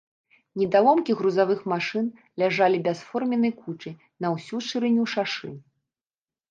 Недаломкі грузавых машын ляжалі бясформеннай кучай на ўсю шырыню шашы.